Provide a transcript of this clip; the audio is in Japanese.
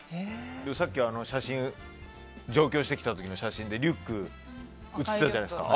さっき上京してきた時の写真でリュックが写ってたじゃないですか。